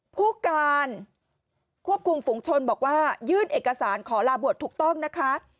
ผู้การควบคุมฝุงชนบอกว่ายื่นเอกสารขอลาบวชถูกต้องนะคะ